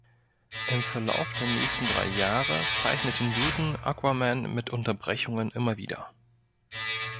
Im Verlauf der nächsten drei Jahre zeichnete Newton Aquaman mit Unterbrechungen immer wieder.